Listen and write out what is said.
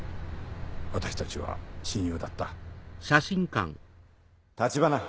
私たちは親友だった。